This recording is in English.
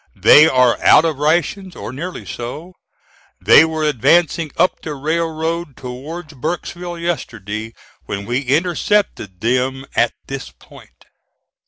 They are out of rations, or nearly so. They were advancing up the railroad towards Burkesville yesterday, when we intercepted them at this point."